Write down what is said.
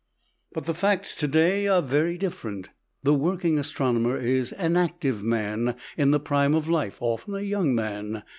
But the facts to day are very different. The working astronomer is an active man in the prime of life, often a young man.